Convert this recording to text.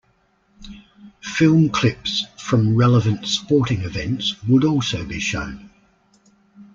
Film clips from relevant sporting events would also be shown.